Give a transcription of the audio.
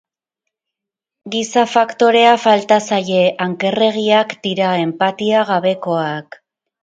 Giza faktorea falta zaie, ankerregiak dira, enpatia-gabekoak.